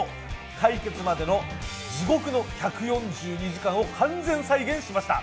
解決までの地獄の１４２時間を完全再現しました。